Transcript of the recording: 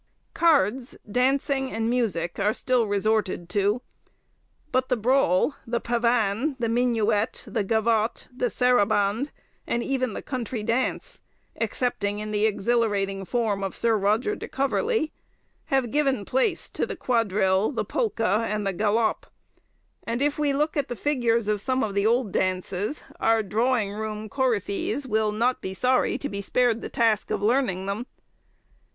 Cards, dancing, and music, are still resorted to; but the brawl, the pavan, the minuet, the gavot, the saraband, and even the country dance, excepting in the exhilirating form of Sir Roger de Coverley, have given place to the quadrille, the polka, and the galope; and if we look at the figures of some of the old dances, our drawing room coryphees will not be sorry to be spared the task of learning them.